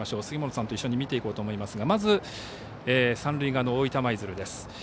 杉本さんと一緒に見ていこうと思いますがまず三塁側の大分舞鶴です。